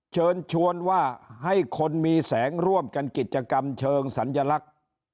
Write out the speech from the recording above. เชิญชวนว่าให้คนมีแสงร่วมกันกิจกรรมเชิงสัญลักษณ์